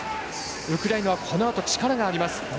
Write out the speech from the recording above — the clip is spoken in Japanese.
ウクライナはこのあと力があります。